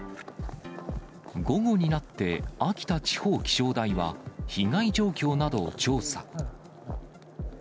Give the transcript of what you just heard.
午後になって、秋田地方気象台は、被害状況などを調査。